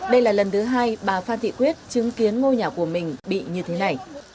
đây là lần thứ hai bà phan thị quyết chứng kiến ngôi nhà của mình bị nhựa